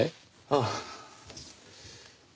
ああ。